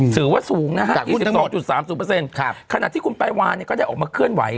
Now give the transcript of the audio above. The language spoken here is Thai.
ถือว่าสูงนะฮะ๒๒๓๐ขณะที่คุณปลายวานเนี่ยก็ได้ออกมาเคลื่อนไหว